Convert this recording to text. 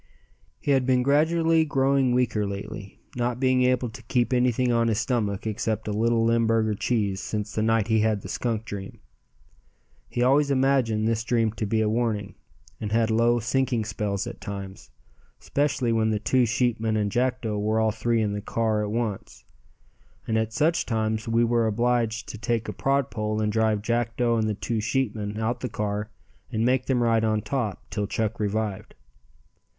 He had been gradually growing weaker lately, not being able to keep anything on his stomach except a little Limburger cheese since the night he had the skunk dream. He always imagined this dream to be a warning, and had low sinking spells at times, specially when the two sheepmen and Jackdo were all three in the car in at once, and at such times we were obliged to take a prod pole and drive Jackdo and the two sheepmen out the car and make them ride on top till Chuck revived.